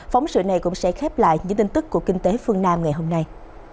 phóng sự này cũng sẽ khép lại những tin tức của kinh tế phương nam ngày hôm nay